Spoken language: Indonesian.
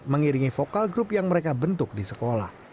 mengiringi vokal group yang mereka bentuk di sekolah